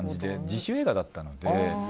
自主映画だったので。